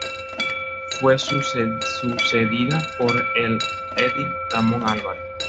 Fue sucedida por el edil Ramón Álvarez.